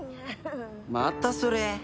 またそれ？